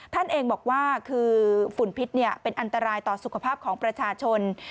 ท่านเองบอกว่าคือฝุ่นพิษเป็นอันตรายต่อสุขภาพของประชาชน